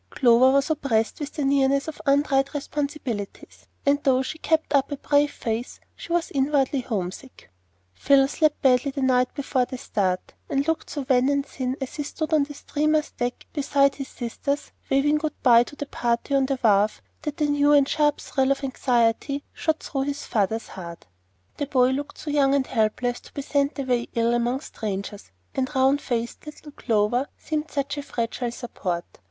Clover was oppressed with the nearness of untried responsibilities; and though she kept up a brave face, she was inwardly homesick. Phil slept badly the night before the start, and looked so wan and thin as he stood on the steamer's deck beside his sisters, waving good by to the party on the wharf, that a new and sharp thrill of anxiety shot through his father's heart. The boy looked so young and helpless to be sent away ill among strangers, and round faced little Clover seemed such a fragile support!